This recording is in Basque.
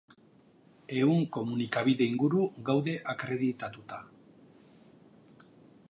Ehun komunikabide inguru gaude akreditatuta.